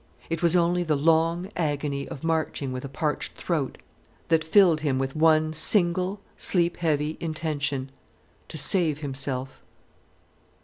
It was only the long agony of marching with a parched throat that filled him with one single, sleep heavy intention: to save himself.